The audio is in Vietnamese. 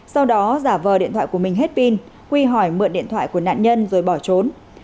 sau đó giả vờ điện thoại của mình hết pin huy hỏi mượn điện thoại của nạn nhân rồi bỏ trốn